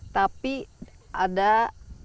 tapi ada yang membuat atau dibuat